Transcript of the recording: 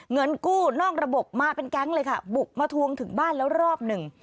เงินกู้นอกระบบมาเป็นแก๊งเลยค่ะบุกมาทวงถึงบ้านแล้วรอบหนึ่ง